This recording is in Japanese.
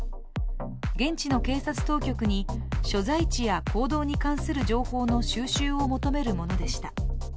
現地の警察当局に所在地や行動に関する情報の収集を求めるものでした。